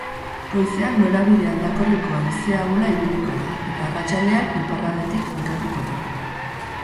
Goizean norabide aldakorreko haize ahula ibiliko da eta arratsaldean iparraldetik finkatuko da.